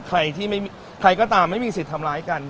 ใครก็ตามไม่มีสิทธิ์ทำร้ายกัน